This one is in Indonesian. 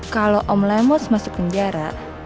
kalau om lamos masuk penjara